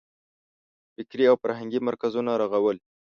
فکري او فرهنګي مرکزونه رغول.